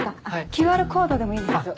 ＱＲコードでもいいですけど。